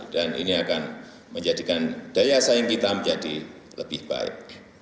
dan ini akan menjadikan daya saing kita menjadi lebih baik